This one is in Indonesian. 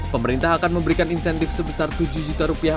pemerintah akan memberikan insentif sebesar tujuh juta rupiah